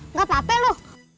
nggak apa apa lu